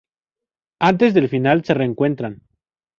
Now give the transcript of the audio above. Antes del final se reencuentran.